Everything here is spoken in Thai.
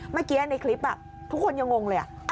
มาเกี่ยในคลิปแบบทุกคนยังงงเลยอะ